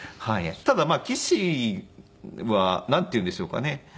ただ棋士はなんていうんでしょうかね。